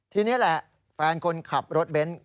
ทีนี้แหละแฟนคนขับรถเบนท์